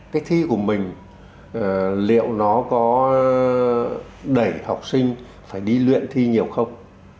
cái thi của mình liệu nó có đẩy học sinh phải đi luyện thi nhiều không